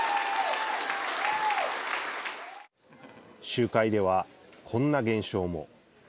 集会では、こんな現象も。